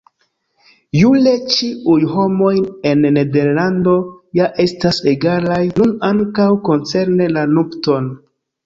Jure ĉiuj homoj en Nederlando ja estas egalaj, nun ankaŭ koncerne la nupton.